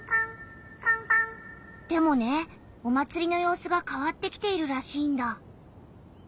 でもねお祭りの様子が変わってきているらしいんだ。